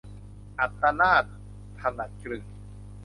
อัตตนาถ-ถนัดกลึง